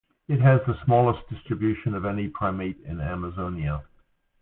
It has the smallest distribution of any primate in Amazonia.